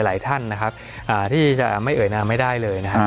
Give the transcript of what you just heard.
หลายท่านนะครับที่จะไม่เอ่ยนามไม่ได้เลยนะครับ